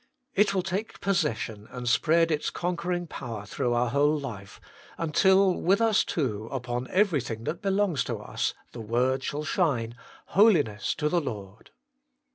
It will take possession and spread its conquering power through our whole life, until with us too upon everything that belongs to us the word shall shine, HOLINESS TO THE LORD.